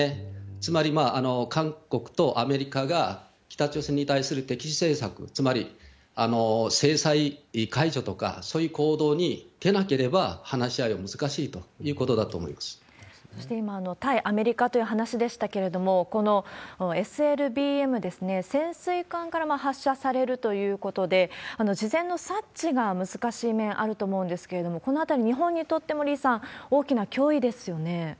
つまり韓国とアメリカが北朝鮮に対する敵視政策、つまり制裁解除とか、そういう行動に出なければ話し合いは難しいということだと思うんそして今、対アメリカという話でしたけれども、このＳＬＢＭですね、潜水艦から発射されるということで、事前の察知が難しい面あると思うんですけれども、このあたり、日本にとっても、李さん、大きな脅威ですよね。